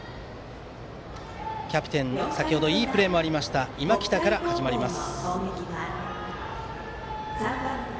キャプテンで先程いいプレーのあった今北から始まります。